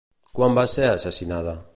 Quan va ser assassinada?